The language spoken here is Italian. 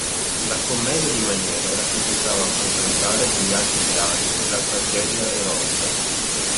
La "commedia di maniere" rappresentava un contraltare degli alti ideali della tragedia eroica.